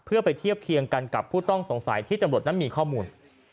เพื่อไปเทียบเคียงกันกับผู้ต้องสงสัยที่ตำรวจนั้นมีข้อมูล